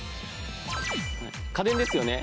家電ですよね？